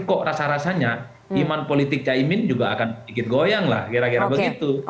kok rasa rasanya iman politik caimin juga akan sedikit goyang lah kira kira begitu